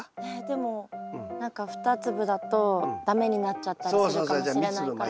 でも何か２粒だと駄目になっちゃったりするかもしれないから。